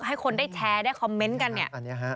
ให้คนได้แชร์ได้คอมเมนต์กันเนี่ยฮะ